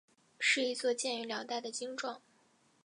是一座建于辽代的经幢。